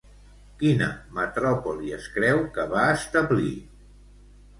Quina metròpoli es creu que va establir?